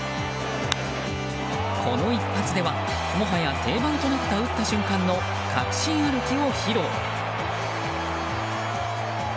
この一発ではもはや定番となった打った瞬間の確信歩きを披露。